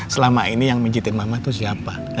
selama ini yang mijitin mama tuh siapa